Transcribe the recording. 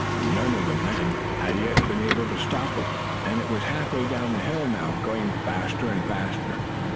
None of the men had yet been able to stop it, and it was half way down the hill now, going faster and faster.